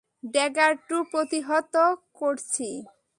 Dagger টু প্রতিহত করছি।